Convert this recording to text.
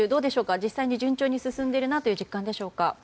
実際に順調に進んでいるという実感でしょうか？